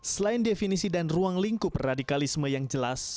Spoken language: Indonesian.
selain definisi dan ruang lingkup radikalisme yang jelas